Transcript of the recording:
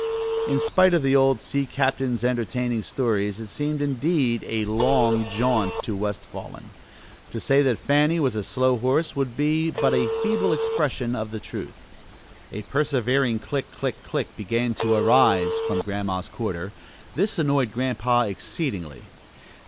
In spite of the old sea captain's entertaining stories, it seemed, indeed, "a long jaunt" to West Wallen. To say that Fanny was a slow horse would be but a feeble expression of the truth. A persevering "click! click! click!" began to arise from Grandma's quarter. This annoyed Grandpa exceedingly.